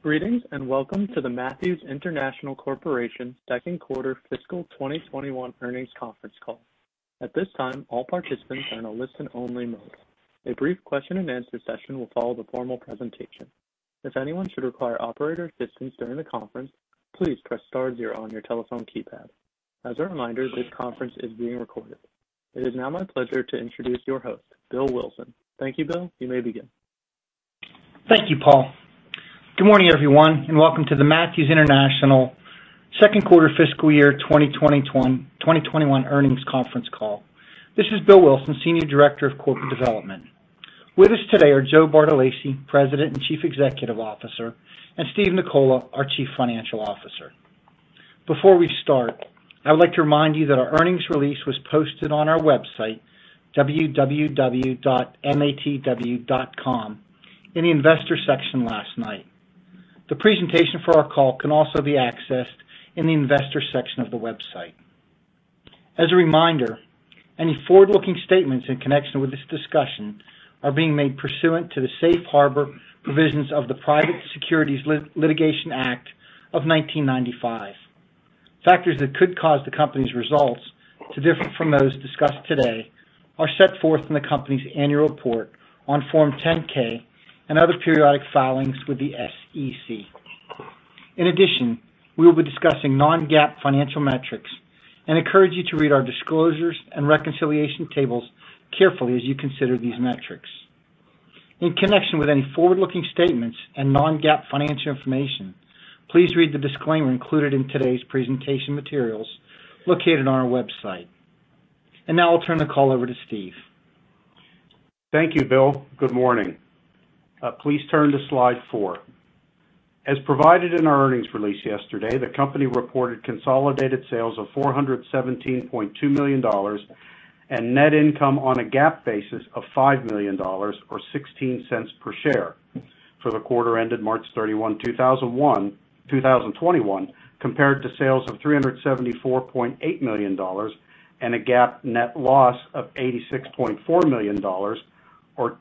Greetings, and welcome to the Matthews International Corporation Q2 fiscal 2021 earnings conference call. At this time, all participants are in a listen-only mode. A brief question-and-answer session will follow the formal presentation. If anyone should require operator assistance during the conference, please press star zero on your telephone keypad. As a reminder, this conference is being recorded. It is now my pleasure to introduce your host, William D. Wilson. Thank you, William. You may begin. Thank you, Paul. Good morning, everyone, and welcome to the Matthews International Q2 fiscal year 2021 earnings conference call. This is Bill Wilson, Senior Director of Corporate Development. With us today are Joe Bartolacci, President and Chief Executive Officer, and Steve Nicola, our Chief Financial Officer. Before we start, I would like to remind you that our earnings release was posted on our website, www.matw.com, in the investor section last night. The presentation for our call can also be accessed in the investor section of the website. As a reminder, any forward-looking statements in connection with this discussion are being made pursuant to the safe harbor provisions of the Private Securities Litigation Reform Act of 1995. Factors that could cause the company's results to differ from those discussed today are set forth in the company's annual report on Form 10-K and other periodic filings with the SEC. In addition, we will be discussing non-GAAP financial metrics and encourage you to read our disclosures and reconciliation tables carefully as you consider these metrics. In connection with any forward-looking statements and non-GAAP financial information, please read the disclaimer included in today's presentation materials located on our website. Now I'll turn the call over to Steve. Thank you, Bill. Good morning. Please turn to slide four. As provided in our earnings release yesterday, the company reported consolidated sales of $417.2 million and net income on a GAAP basis of $5 million, or $0.16 per share for the quarter ended March 31, 2021, compared to sales of $374.8 million and a GAAP net loss of $86.4 million, or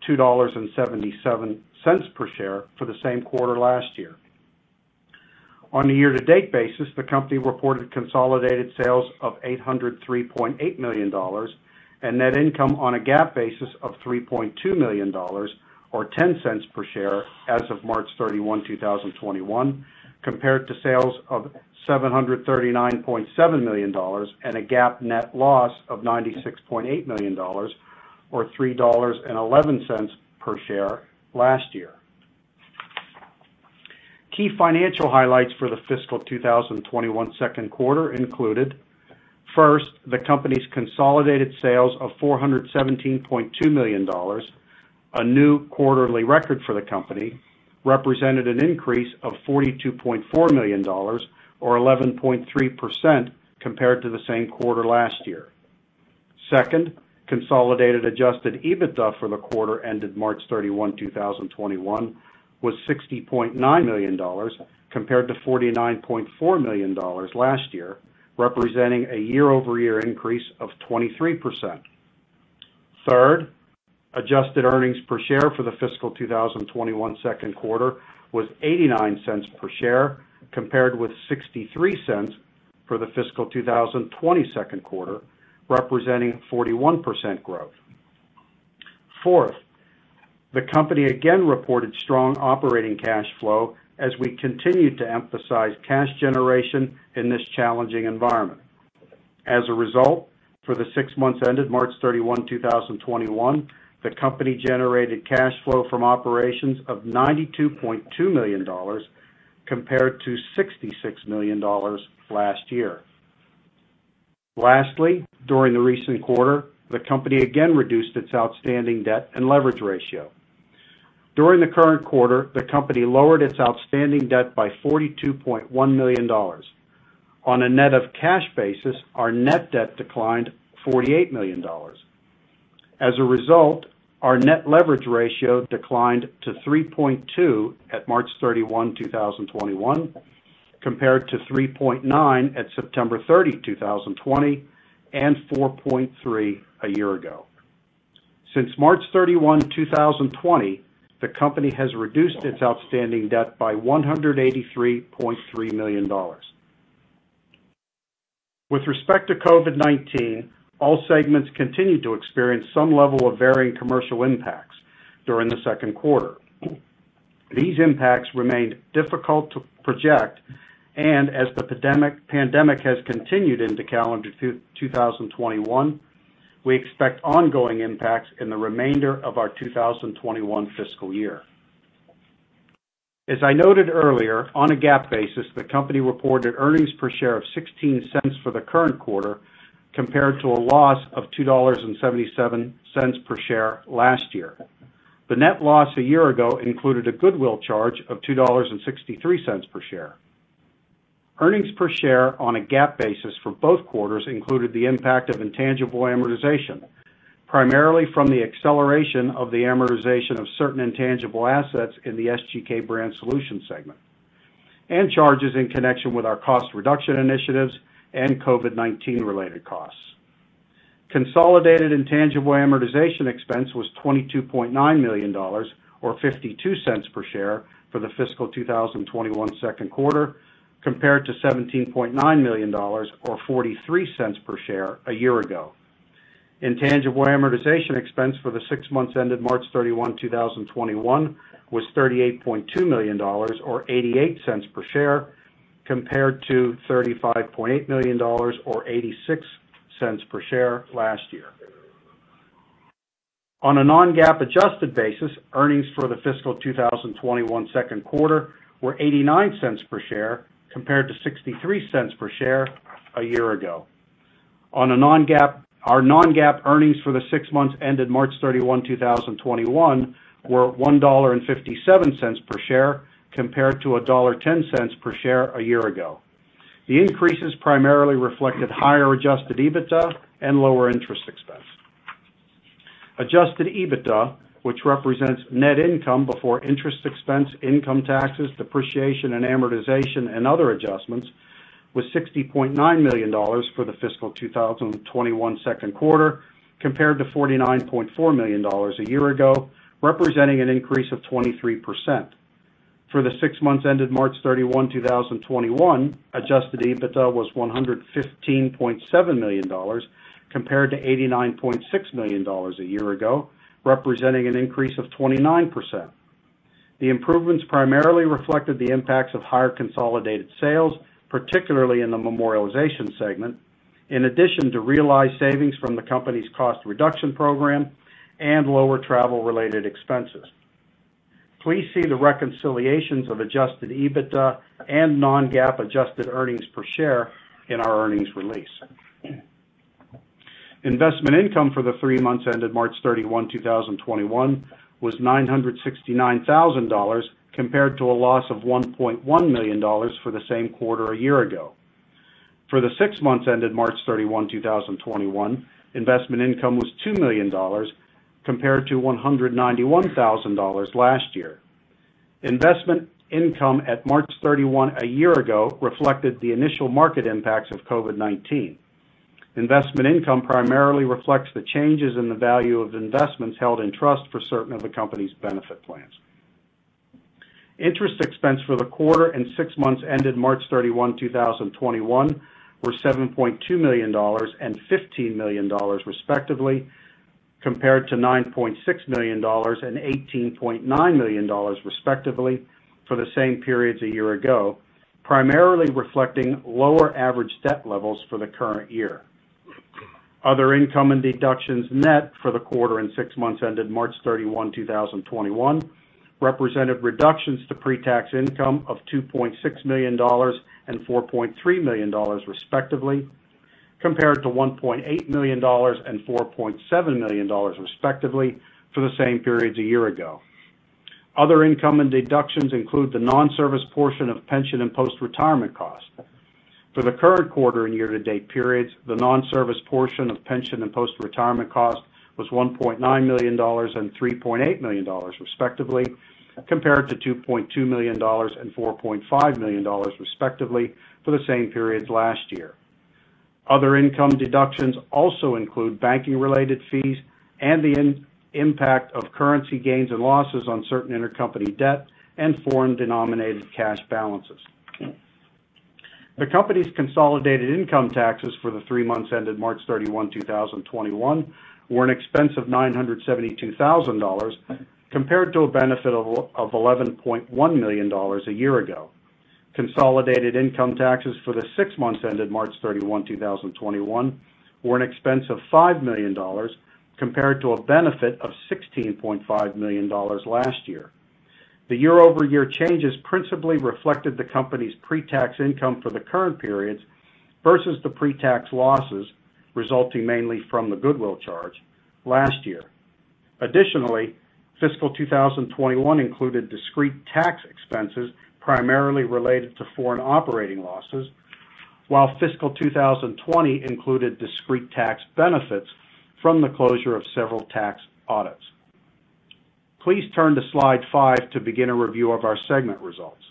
$2.77 per share for the same quarter last year. On a year-to-date basis, the company reported consolidated sales of $803.8 million and net income on a GAAP basis of $3.2 million, or $0.10 per share as of March 31, 2021, compared to sales of $739.7 million and a GAAP net loss of $96.8 million, or $3.11 per share last year. Key financial highlights for the fiscal 2021 Q2 included, first, the company's consolidated sales of $417.2 million, a new quarterly record for the company, represented an increase of $42.4 million or 11.3% compared to the same quarter last year. Second, consolidated adjusted EBITDA for the quarter ended March 31, 2021, was $60.9 million compared to $49.4 million last year, representing a year-over-year increase of 23%. Third, adjusted earnings per share for the fiscal 2021 Q2 was $0.89 per share, compared with $0.63 for the fiscal 2020 second quarter, representing 41% growth. Fourth, the company again reported strong operating cash flow as we continued to emphasize cash generation in this challenging environment. As a result, for the six months ended March 31, 2021, the company generated cash flow from operations of $92.2 million compared to $66 million last year. Lastly, during the recent quarter, the company again reduced its outstanding debt and leverage ratio. During the current quarter, the company lowered its outstanding debt by $42.1 million. On a net-of-cash basis, our net debt declined $48 million. As a result, our net leverage ratio declined to 3.2 at March 31, 2021, compared to 3.9 at September 30, 2020 and 4.3 a year ago. Since March 31, 2020, the company has reduced its outstanding debt by $183.3 million. With respect to COVID-19, all segments continued to experience some level of varying commercial impacts during Q2. These impacts remained difficult to project, and as the pandemic has continued into calendar 2021, we expect ongoing impacts in the remainder of our 2021 fiscal year. As I noted earlier, on a GAAP basis, the company reported earnings per share of $0.16 for the current quarter, compared to a loss of $2.77 per share last year. The net loss a year ago included a goodwill charge of $2.63 per share. Earnings per share on a GAAP basis for both quarters included the impact of intangible amortization, primarily from the acceleration of the amortization of certain intangible assets in the SGK Brand Solutions segment, and charges in connection with our cost reduction initiatives and COVID-19 related costs. Consolidated intangible amortization expense was $22.9 million, or $0.52 per share for the fiscal 2021 Q2, compared to $17.9 million or $0.43 per share a year ago. Intangible amortization expense for the 6 months ended March 31, 2021 was $38.2 million, or $0.88 per share, compared to $35.8 million, or $0.86 per share last year. On a non-GAAP adjusted basis, earnings for the fiscal 2021 Q2 were $0.89 per share, compared to $0.63 per share a year ago. Our non-GAAP earnings for the six months ended March 31, 2021 were $1.57 per share, compared to $1.10 per share a year ago. The increases primarily reflected higher adjusted EBITDA and lower interest expense. Adjusted EBITDA, which represents net income before interest expense, income taxes, depreciation and amortization, and other adjustments, was $60.9 million for the fiscal 2021 Q2, compared to $49.4 million a year ago, representing an increase of 23%. For the six months ended March 31, 2021, adjusted EBITDA was $115.7 million compared to $89.6 million a year ago, representing an increase of 29%. The improvements primarily reflected the impacts of higher consolidated sales, particularly in the Memorialization segment, in addition to realized savings from the company's cost-reduction program and lower travel-related expenses. Please see the reconciliations of adjusted EBITDA and non-GAAP adjusted earnings per share in our earnings release. Investment income for the three months ended March 31, 2021 was $969,000, compared to a loss of $1.1 million for the same quarter a year ago. For the six months ended March 31, 2021, investment income was $2 million compared to $191,000 last year. Investment income at March 31 a year ago reflected the initial market impacts of COVID-19. Investment income primarily reflects the changes in the value of investments held in trust for certain of the company's benefit plans. Interest expense for the quarter and six months ended March 31, 2021 were $7.2 million and $15 million respectively, compared to $9.6 million and $18.9 million respectively for the same periods a year ago, primarily reflecting lower average debt levels for the current year. Other income and deductions net for the quarter and six months ended March 31, 2021, represented reductions to pre-tax income of $2.6 million and $4.3 million respectively, compared to $1.8 million and $4.7 million respectively for the same periods a year ago. Other income and deductions include the non-service portion of pension and post-retirement costs. For the current quarter and year-to-date periods, the non-service portion of pension and post-retirement cost was $1.9 million and $3.8 million respectively, compared to $2.2 million and $4.5 million respectively for the same periods last year. Other income deductions also include banking-related fees and the impact of currency gains and losses on certain intercompany debt and foreign-denominated cash balances. The company's consolidated income taxes for the three months ended March 31, 2021, were an expense of $972,000 compared to a benefit of $11.1 million a year ago. Consolidated income taxes for the six months ended March 31, 2021, were an expense of $5 million compared to a benefit of $16.5 million last year. The year-over-year changes principally reflected the company's pre-tax income for the current periods versus the pre-tax losses resulting mainly from the goodwill charge last year. Additionally, fiscal 2021 included discrete tax expenses primarily related to foreign operating losses. While fiscal 2020 included discrete tax benefits from the closure of several tax audits. Please turn to slide five to begin a review of our segment results.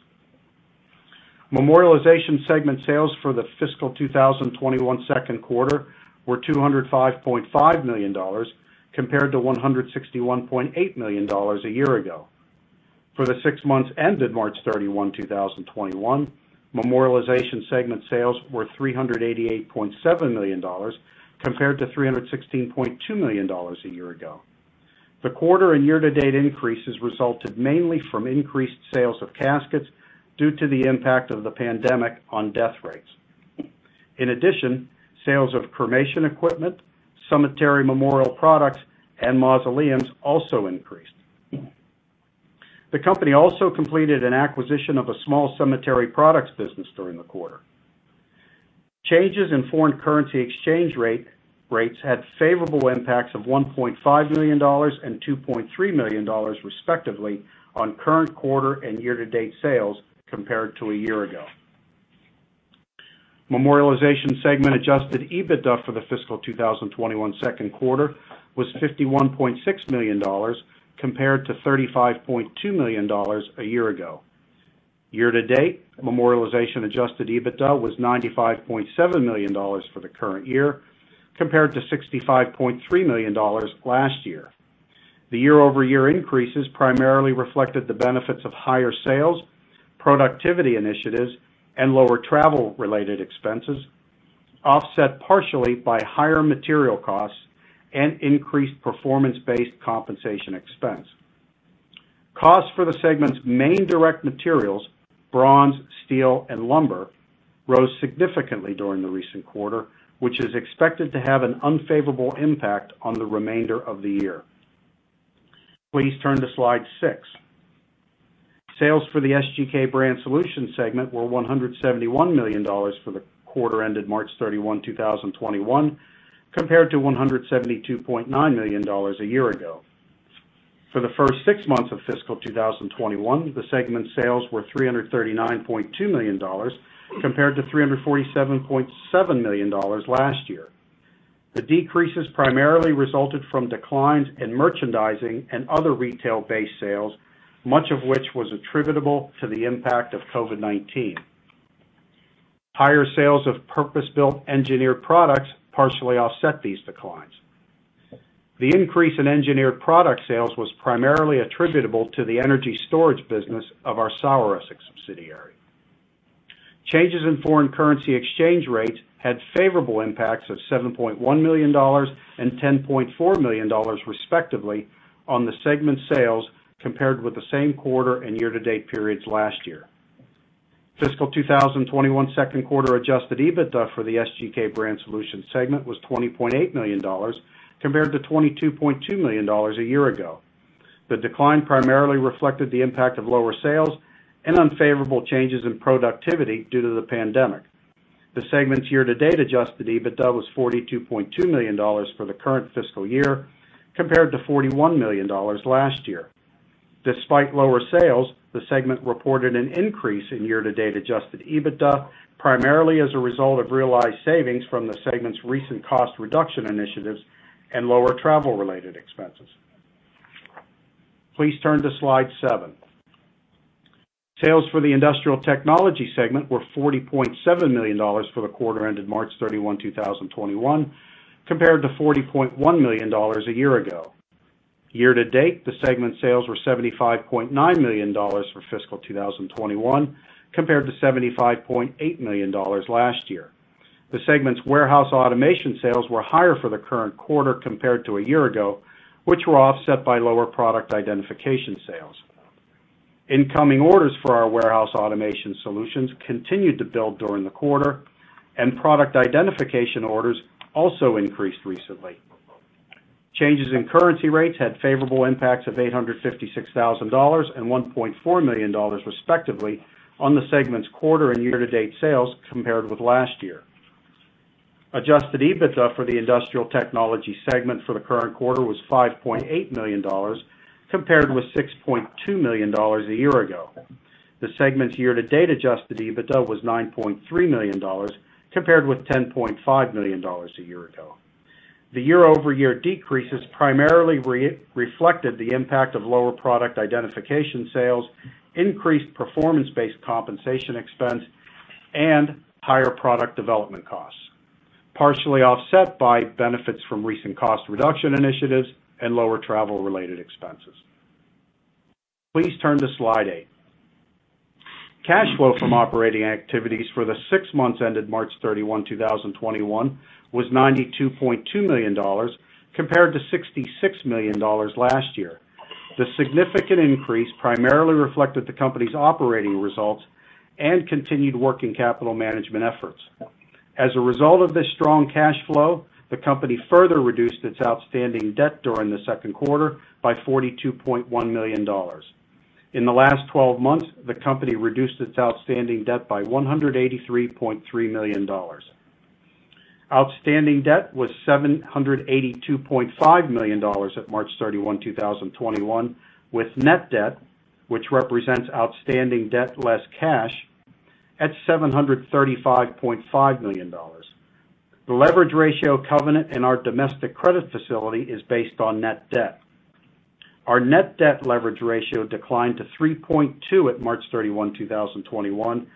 Memorialization segment sales for the fiscal 2021 Q2 were $205.5 million compared to $161.8 million a year ago. For the six months ended March 31, 2021, Memorialization segment sales were $388.7 million compared to $316.2 million a year ago. The quarter and year-to-date increases resulted mainly from increased sales of caskets due to the impact of the pandemic on death rates. In addition, sales of cremation equipment, cemetery memorial products, and mausoleums also increased. The company also completed an acquisition of a small cemetery products business during the quarter. Changes in foreign currency exchange rates had favorable impacts of $1.5 million and $2.3 million respectively on current quarter and year-to-date sales compared to a year ago. Memorialization segment adjusted EBITDA for the fiscal 2021 second quarter was $51.6 million compared to $35.2 million a year ago. Year-to-date, Memorialization adjusted EBITDA was $95.7 million for the current year, compared to $65.3 million last year. The year-over-year increases primarily reflected the benefits of higher sales, productivity initiatives, and lower travel-related expenses, offset partially by higher material costs and increased performance-based compensation expense. Costs for the segment's main direct materials, bronze, steel, and lumber, rose significantly during the recent quarter, which is expected to have an unfavorable impact on the remainder of the year. Please turn to Slide six. Sales for the SGK Brand Solutions segment were $171 million for the quarter ended March 31, 2021, compared to $172.9 million a year ago. For the first six months of fiscal 2021, the segment's sales were $339.2 million compared to $347.7 million last year. The decreases primarily resulted from declines in merchandising and other retail-based sales, much of which was attributable to the impact of COVID-19. Higher sales of purpose-built engineered products partially offset these declines. The increase in engineered product sales was primarily attributable to the energy storage business of our Saueressig subsidiary. Changes in foreign currency exchange rates had favorable impacts of $7.1 million and $10.4 million, respectively, on the segment's sales compared with the same quarter and year-to-date periods last year. Fiscal 2021 second quarter adjusted EBITDA for the SGK Brand Solutions segment was $20.8 million, compared to $22.2 million a year ago. The decline primarily reflected the impact of lower sales and unfavorable changes in productivity due to the pandemic. The segment's year-to-date adjusted EBITDA was $42.2 million for the current fiscal year, compared to $41 million last year. Despite lower sales, the segment reported an increase in year-to-date adjusted EBITDA, primarily as a result of realized savings from the segment's recent cost reduction initiatives and lower travel-related expenses. Please turn to Slide seven. Sales for the Industrial Technologies segment were $40.7 million for the quarter ended March 31, 2021, compared to $40.1 million a year ago. Year-to-date, the segment's sales were $75.9 million for fiscal 2021, compared to $75.8 million last year. The segment's warehouse automation sales were higher for the current quarter compared to a year ago, which were offset by lower product identification sales. Incoming orders for our warehouse automation solutions continued to build during the quarter, and product identification orders also increased recently. Changes in currency rates had favorable impacts of $856,000 and $1.4 million, respectively, on the segment's quarter and year-to-date sales compared with last year. Adjusted EBITDA for the Industrial Technologies segment for the current quarter was $5.8 million, compared with $6.2 million a year ago. The segment's year-to-date adjusted EBITDA was $9.3 million, compared with $10.5 million a year ago. The year-over-year decreases primarily reflected the impact of lower product identification sales, increased performance-based compensation expense, and higher product development costs, partially offset by benefits from recent cost reduction initiatives and lower travel-related expenses. Please turn to Slide eight. Cash flow from operating activities for the six months ended March 31, 2021 was $92.2 million, compared to $66 million last year. The significant increase primarily reflected the company's operating results and continued working capital management efforts. As a result of this strong cash flow, the company further reduced its outstanding debt during the second quarter by $42.1 million. In the last 12 months, the company reduced its outstanding debt by $183.3 million. Outstanding debt was $782.5 million at March 31, 2021, with net debt, which represents outstanding debt less cash, at $735.5 million. The leverage ratio covenant in our domestic credit facility is based on net debt. Our net debt leverage ratio declined to 3.2 at March 31, 2021,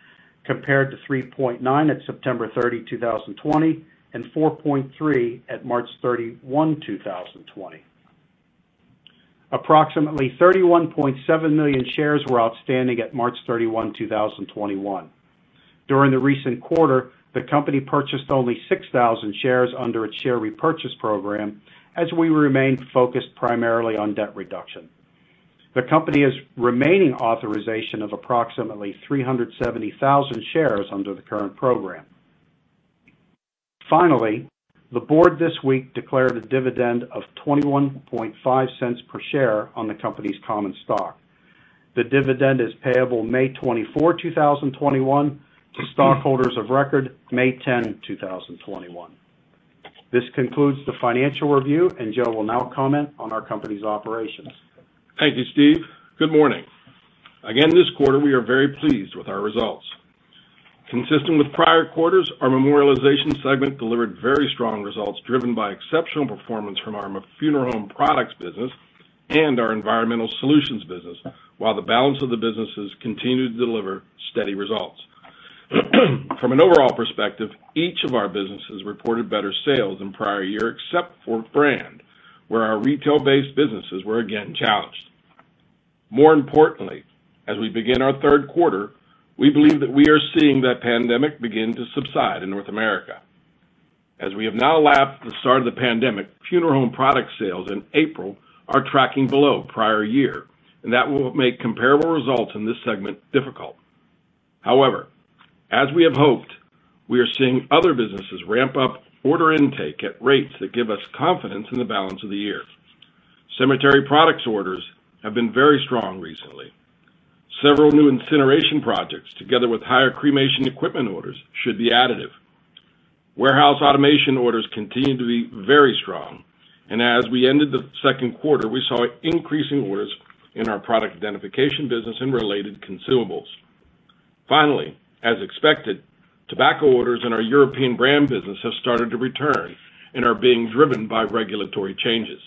compared to 3.9 at September 30, 2020, and 4.3 at March 31, 2020. Approximately 31.7 million shares were outstanding at March 31, 2021. During the recent quarter, the company purchased only 6,000 shares under its share repurchase program, as we remained focused primarily on debt reduction. The company has remaining authorization of approximately 370,000 shares under the current program. Finally, the board this week declared a dividend of $0.215 per share on the company's common stock. The dividend is payable May 24, 2021, to stockholders of record May 10, 2021. This concludes the financial review, and Joe will now comment on our company's operations. Thank you, Steve. Good morning. Again, this quarter, we are very pleased with our results. Consistent with prior quarters, our Memorialization segment delivered very strong results driven by exceptional performance from our funeral home products business and our environmental solutions business, while the balance of the businesses continued to deliver steady results. From an overall perspective, each of our businesses reported better sales than prior year, except for Brand, where our retail-based businesses were again challenged. More importantly, as we begin our third quarter, we believe that we are seeing that pandemic begin to subside in North America. As we have now lapped the start of the pandemic, funeral home product sales in April are tracking below prior year. That will make comparable results in this segment difficult. However, as we have hoped, we are seeing other businesses ramp up order intake at rates that give us confidence in the balance of the year. Cemetery products orders have been very strong recently. Several new incineration projects, together with higher cremation equipment orders, should be additive. Warehouse automation orders continue to be very strong, and as we ended the second quarter, we saw increasing orders in our product identification business and related consumables. As expected, tobacco orders in our European brand business have started to return and are being driven by regulatory changes.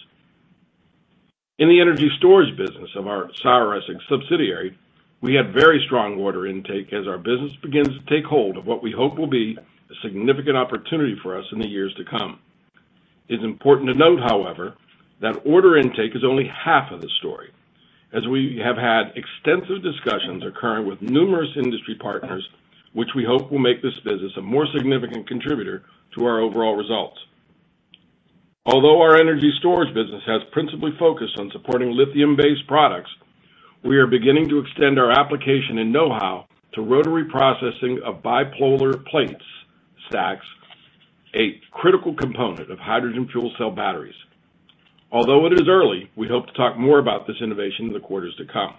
In the energy storage business of our Saueressig subsidiary, we had very strong order intake as our business begins to take hold of what we hope will be a significant opportunity for us in the years to come. It's important to note, however, that order intake is only half of the story, as we have had extensive discussions occurring with numerous industry partners, which we hope will make this business a more significant contributor to our overall results. Although our energy storage business has principally focused on supporting lithium-based products, we are beginning to extend our application and know-how to rotary processing of bipolar plates, stacks, a critical component of hydrogen fuel cell batteries. Although it is early, we hope to talk more about this innovation in the quarters to come.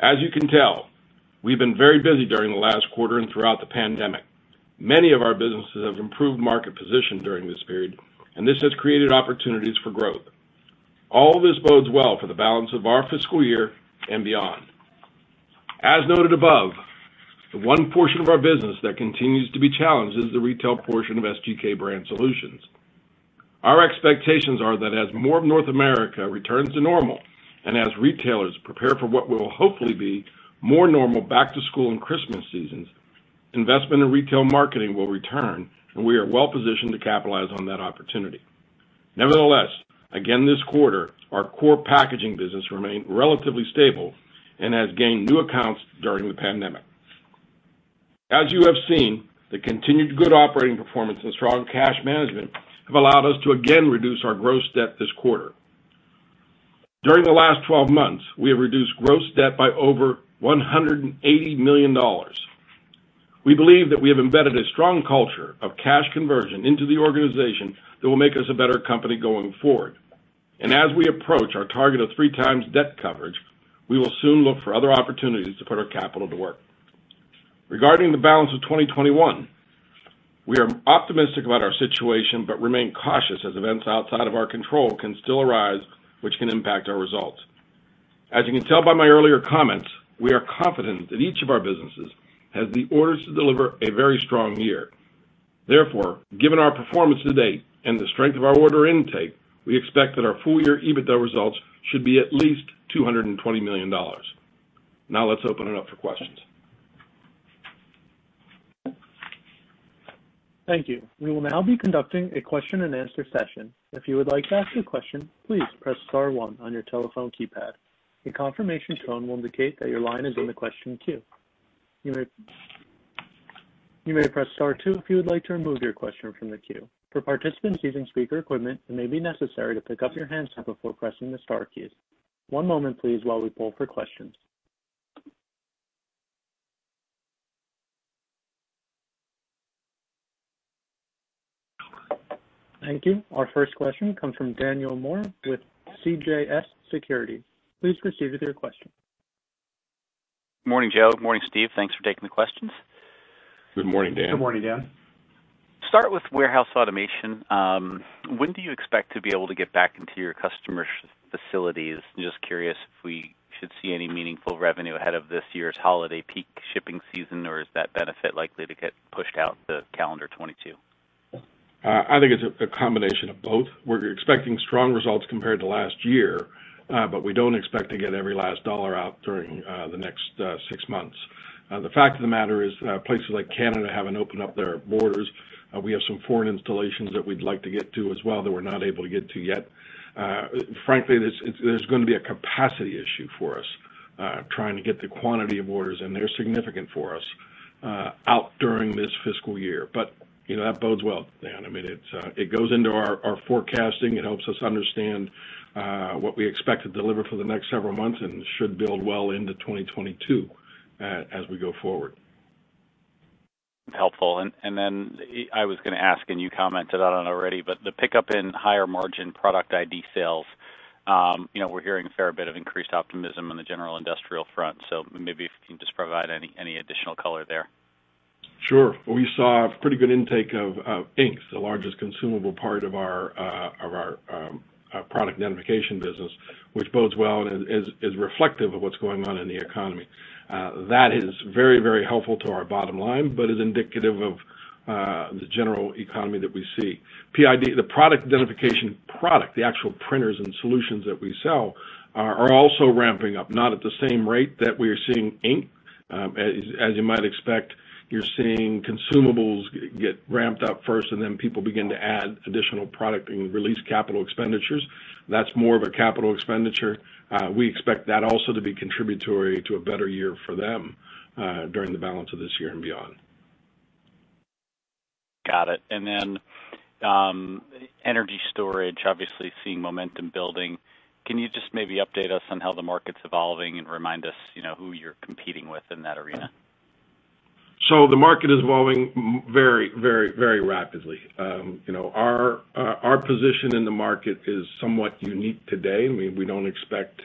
As you can tell, we've been very busy during the last quarter and throughout the pandemic. Many of our businesses have improved market position during this period, and this has created opportunities for growth. All this bodes well for the balance of our fiscal year and beyond. As noted above, the one portion of our business that continues to be challenged is the retail portion of SGK Brand Solutions. Our expectations are that as more of North America returns to normal, and as retailers prepare for what will hopefully be more normal back to school and Christmas seasons, investment in retail marketing will return, and we are well-positioned to capitalize on that opportunity. Nevertheless, again this quarter, our core packaging business remained relatively stable and has gained new accounts during the pandemic. As you have seen, the continued good operating performance and strong cash management have allowed us to again reduce our gross debt this quarter. During the last 12 months, we have reduced gross debt by over $180 million. We believe that we have embedded a strong culture of cash conversion into the organization that will make us a better company going forward. As we approach our target of three times debt coverage, we will soon look for other opportunities to put our capital to work. Regarding the balance of 2021, we are optimistic about our situation but remain cautious as events outside of our control can still arise, which can impact our results. As you can tell by my earlier comments, we are confident that each of our businesses has the orders to deliver a very strong year. Given our performance to date and the strength of our order intake, we expect that our full-year EBITDA results should be at least $220 million. Let's open it up for questions. Thank you. We will now be conducting a question-and-answer session. If you would like to ask a question, please press star one on your telephone keypad. A confirmation tone will indicate that your line is in the question queue. You may press star two if you would like to remove your question from the queue. For participants using speaker equipment, it may be necessary to pick up your handset before pressing the star keys. One moment, please, while we poll for questions. Thank you. Our first question comes from Daniel Moore with CJS Securities. Please proceed with your question. Morning, Joseph C. Bartolacci. Morning, Steven F. Nicola. Thanks for taking the questions. Good morning, Daniel. Good morning, Daniel. Start with warehouse automation. When do you expect to be able to get back into your customers' facilities? Just curious if we should see any meaningful revenue ahead of this year's holiday peak shipping season, or is that benefit likely to get pushed out to calendar 2022? I think it's a combination of both. We're expecting strong results compared to last year, but we don't expect to get every last $ out during the next 6 months. The fact of the matter is, places like Canada haven't opened up their borders. We have some foreign installations that we'd like to get to as well that we're not able to get to yet. Frankly, there's going to be a capacity issue for us, trying to get the quantity of orders, and they're significant for us, out during this fiscal year. That bodes well, Dan. It goes into our forecasting. It helps us understand what we expect to deliver for the next several months and should build well into 2022 as we go forward. Helpful. I was going to ask, and you commented on it already, but the pickup in higher margin product ID sales, we're hearing a fair bit of increased optimism on the general industrial front, so maybe if you can just provide any additional color there. Sure. We saw a pretty good intake of inks, the largest consumable part of our Product Identification business, which bodes well and is reflective of what's going on in the economy. That is very, very helpful to our bottom line, but is indicative of the general economy that we see. PID, the Product Identification product, the actual printers and solutions that we sell, are also ramping up, not at the same rate that we are seeing ink. As you might expect, you're seeing consumables get ramped up first, and then people begin to add additional product and release capital expenditures. That's more of a capital expenditure. We expect that also to be contributory to a better year for them during the balance of this year and beyond. Got it. Then, energy storage, obviously seeing momentum building. Can you just maybe update us on how the market's evolving and remind us who you're competing with in that arena? The market is evolving very rapidly. Our position in the market is somewhat unique today. We don't expect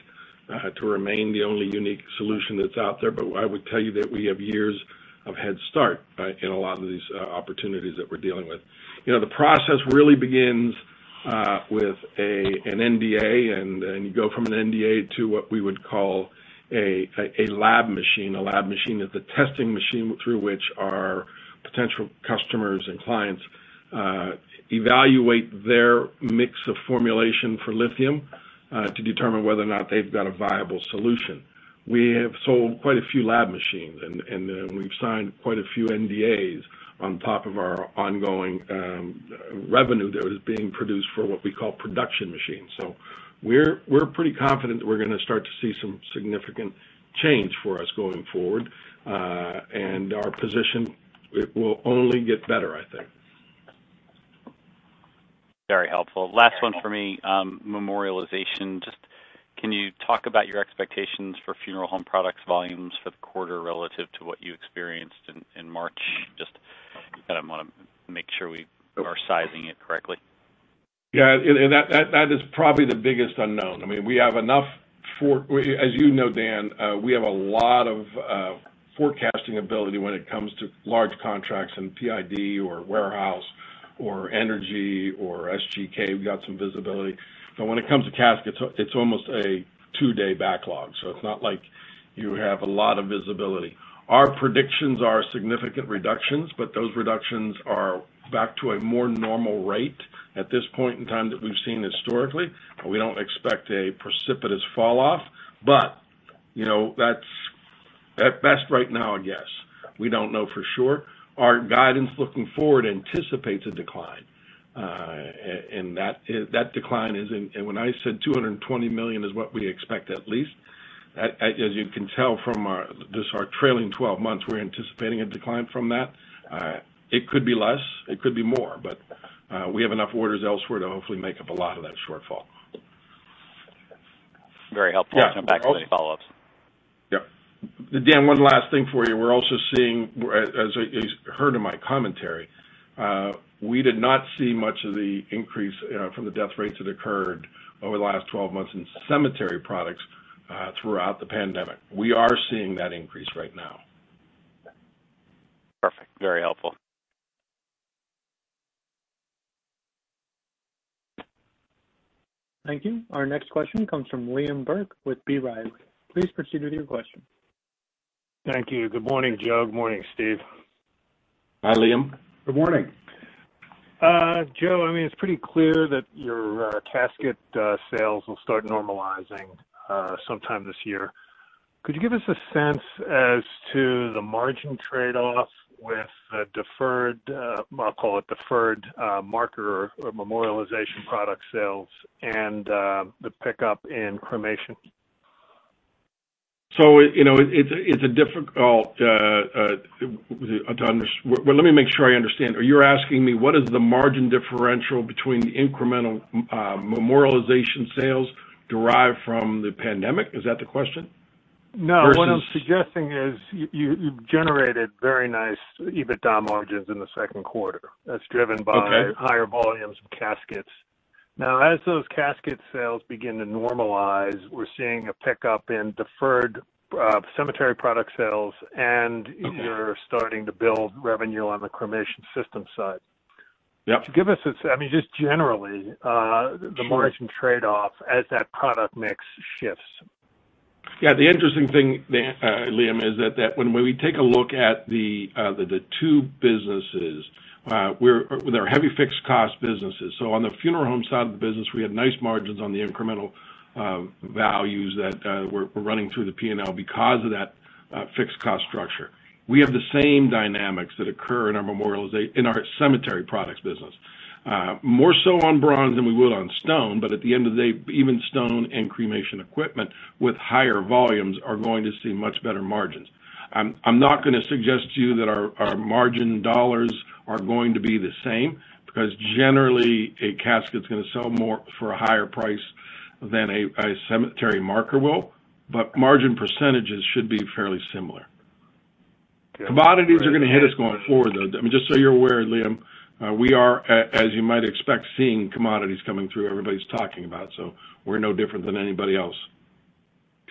to remain the only unique solution that's out there, but I would tell you that we have years of head start in a lot of these opportunities that we're dealing with. The process really begins with an NDA, and then you go from an NDA to what we would call a lab machine. A lab machine is the testing machine through which our potential customers and clients evaluate their mix of formulation for lithium to determine whether or not they've got a viable solution. We have sold quite a few lab machines, and then we've signed quite a few NDAs on top of our ongoing revenue that is being produced for what we call production machines. We're pretty confident that we're going to start to see some significant change for us going forward. Our position will only get better, I think. Very helpful. Last one for me. Memorialization. Just can you talk about your expectations for funeral home products volumes for the quarter relative to what you experienced in March? Just kind of want to make sure we are sizing it correctly. Yeah. That is probably the biggest unknown. As you know, Dan, we have a lot of forecasting ability when it comes to large contracts in PID or warehouse or energy or SGK. We've got some visibility. When it comes to caskets, it's almost a two-day backlog, so it's not like you have a lot of visibility. Our predictions are significant reductions, but those reductions are back to a more normal rate at this point in time that we've seen historically, but we don't expect a precipitous falloff. That's at best right now a guess. We don't know for sure. Our guidance looking forward anticipates a decline, when I said $220 million is what we expect at least, as you can tell from just our trailing 12 months, we're anticipating a decline from that. It could be less, it could be more, but we have enough orders elsewhere to hopefully make up a lot of that shortfall. Very helpful. I'll come back to any follow-ups. Yeah. Dan, one last thing for you. We're also seeing, as you heard in my commentary, we did not see much of the increase from the death rates that occurred over the last 12 months in cemetery products throughout the pandemic. We are seeing that increase right now. Perfect. Very helpful. Thank you. Our next question comes from Liam Burke with B. Riley. Please proceed with your question. Thank you. Good morning, Joe. Good morning, Steve. Hi, Liam. Good morning. Joe, it's pretty clear that your casket sales will start normalizing sometime this year. Could you give us a sense as to the margin trade-off with the deferred, I'll call it deferred marker or memorialization product sales and the pickup in cremation? Well, let me make sure I understand. Are you asking me what is the margin differential between the incremental memorialization sales derived from the pandemic? Is that the question? No, what I'm suggesting is you've generated very nice EBITDA margins in the Q2- Okay that's driven by higher volumes of caskets. Now, as those casket sales begin to normalize, we're seeing a pickup in deferred cemetery product sales. Okay You're starting to build revenue on the cremation system side. Yep. Could you give us a, just generally? Sure The margin trade-off as that product mix shifts? Yeah. The interesting thing, Liam, is that when we take a look at the two businesses, they are heavy fixed cost businesses. On the funeral home side of the business, we had nice margins on the incremental values that were running through the P&L because of that fixed cost structure. We have the same dynamics that occur in our cemetery products business. More so on bronze than we would on stone, but at the end of the day, even stone and cremation equipment with higher volumes are going to see much better margins. I'm not going to suggest to you that our margin dollars are going to be the same, because generally a casket's going to sell more for a higher price than a cemetery marker will, but margin percentages should be fairly similar. Okay. All right. Commodities are going to hit us going forward, though. Just so you're aware, Liam, we are, as you might expect, seeing commodities coming through. Everybody's talking about it, we're no different than anybody else.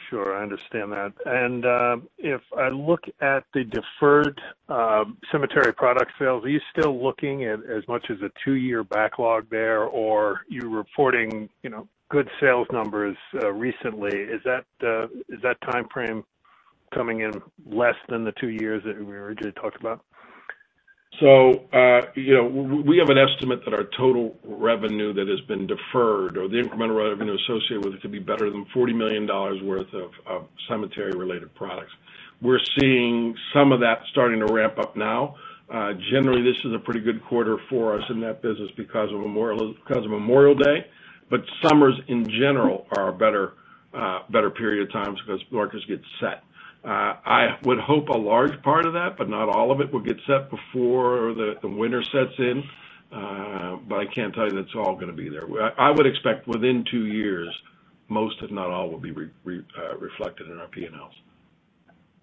Sure, I understand that. If I look at the deferred cemetery product sales, are you still looking at as much as a two-year backlog there? You're reporting good sales numbers recently. Is that timeframe coming in less than the two years that we originally talked about? We have an estimate that our total revenue that has been deferred or the incremental revenue associated with it could be better than $40 million worth of cemetery-related products. We are seeing some of that starting to ramp up now. Generally, this is a pretty good quarter for us in that business because of Memorial Day. Summers in general are a better period of time because workers get set. I would hope a large part of that, but not all of it, will get set before the winter sets in. I can't tell you that it is all going to be there. I would expect within two years, most if not all, will be reflected in our P&Ls.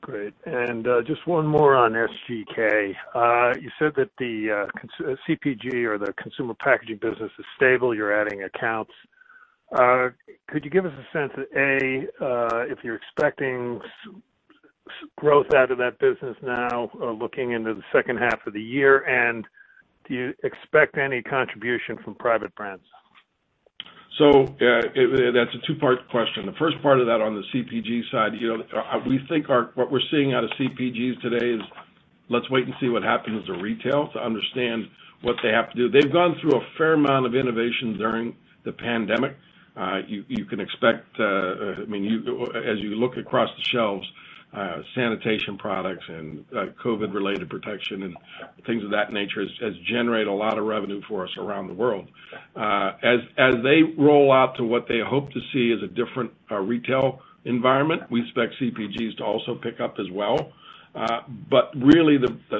Great. Just one more on SGK. You said that the CPG or the consumer packaging business is stable. You're adding accounts. Could you give us a sense that, A, if you're expecting growth out of that business now, looking into the second half of the year, and do you expect any contribution from private brands? That's a two-part question. The first part of that on the CPG side, we think what we're seeing out of CPGs today is let's wait and see what happens with retail to understand what they have to do. They've gone through a fair amount of innovation during the pandemic. You can expect, as you look across the shelves, sanitation products and COVID-related protection and things of that nature, has generated a lot of revenue for us around the world. As they roll out to what they hope to see as a different retail environment, we expect CPGs to also pick up as well. Really,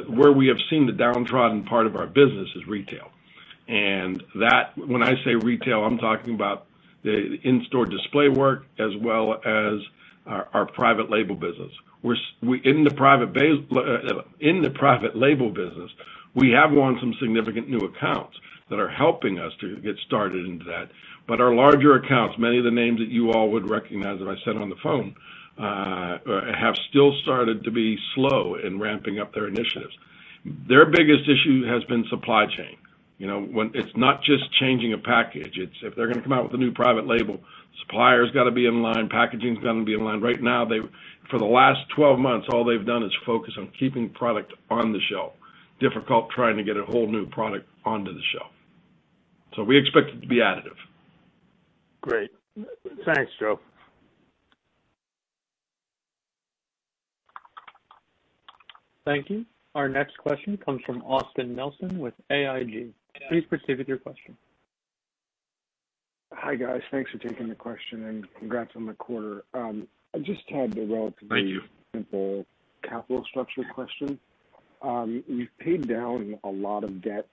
where we have seen the downtrodden part of our business is retail. When I say retail, I'm talking about the in-store display work as well as our private label business. In the private label business, we have won some significant new accounts that are helping us to get started into that. Our larger accounts, many of the names that you all would recognize that I said on the phone, have still started to be slow in ramping up their initiatives. Their biggest issue has been supply chain. It's not just changing a package. If they're going to come out with a new private label, supplier's got to be in line, packaging's got to be in line. Right now, for the last 12 months, all they've done is focus on keeping product on the shelf. Difficult trying to get a whole new product onto the shelf. We expect it to be additive. Great. Thanks, Joe. Thank you. Our next question comes from Austin Nelson with AIG. Please proceed with your question. Hi, guys. Thanks for taking the question and congrats on the quarter. Thank you. I just had a relatively simple capital structure question. You've paid down a lot of debt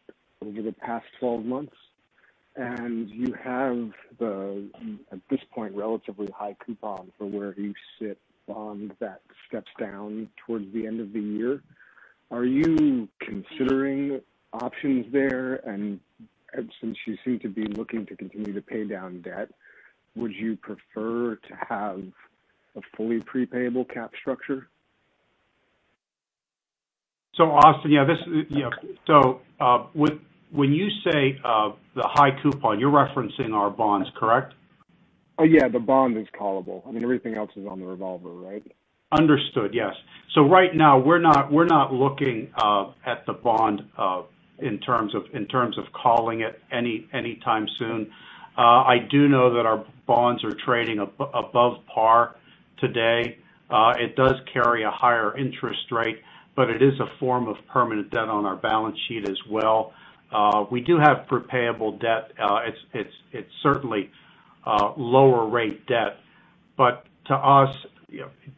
over the past 12 months. You have the, at this point, relatively high coupon for where you sit, bond that steps down towards the end of the year. Are you considering options there? Since you seem to be looking to continue to pay down debt, would you prefer to have a fully pre-payable cap structure? Austin, when you say the high coupon, you're referencing our bonds, correct? Yeah, the bond is callable. Everything else is on the revolver, right? Understood, yes. Right now, we're not looking at the bond in terms of calling it any time soon. I do know that our bonds are trading above par today. It does carry a higher interest rate, but it is a form of permanent debt on our balance sheet as well. We do have prepayable debt. It's certainly lower rate debt.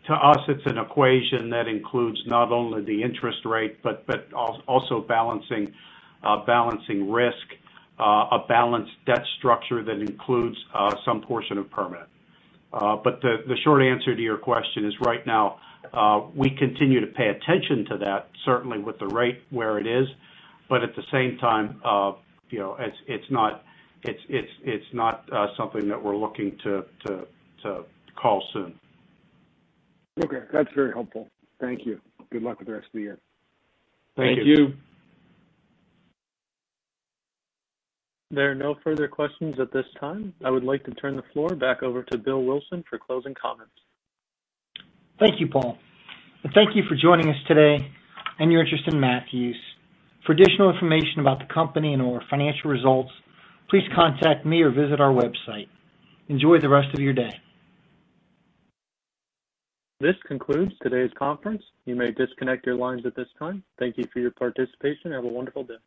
To us, it's an equation that includes not only the interest rate, but also balancing risk, a balanced debt structure that includes some portion of permanent. The short answer to your question is right now, we continue to pay attention to that, certainly with the rate where it is. At the same time, it's not something that we're looking to call soon. Okay. That's very helpful. Thank you. Good luck with the rest of the year. Thank you. Thank you. There are no further questions at this time. I would like to turn the floor back over to Bill Wilson for closing comments. Thank you, Paul. Thank you for joining us today and your interest in Matthews. For additional information about the company and our financial results, please contact me or visit our website. Enjoy the rest of your day. This concludes today's conference. You may disconnect your lines at this time. Thank you for your participation and have a wonderful day.